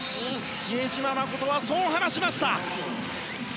比江島慎はそう話しました！